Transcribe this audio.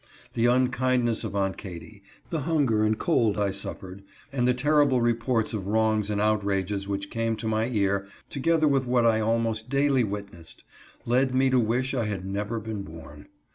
The unkindness of Aunt Katy, the hunger and cold I suffered, and the terrible reports of wrongs and outrages which came to my ear, together with what I almost daily wit nessed, led me to wish I had never been born.